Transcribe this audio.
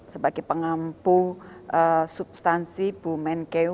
sebagai pengampu substansi bu menkeu